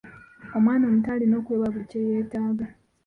Omwana omuto alina okuweebwa buli kyetaago.